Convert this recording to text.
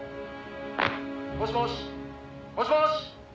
「もしもし？もしもし！？」